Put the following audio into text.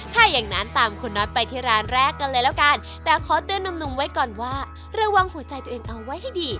ถ้าอย่างนั้นตามคุณน็อตไปที่ร้านแรกกันเลยแล้วกันแต่ขอเตือนหนุ่มไว้ก่อนว่าระวังหัวใจตัวเองเอาไว้ให้ดี